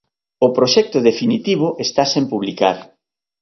O proxecto definitivo está sen publicar.